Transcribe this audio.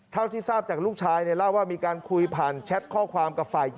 เท่าที่ทราบจากลูกชายเนี่ยเรียกว่ามีการคุยผ่านแชทข้อความ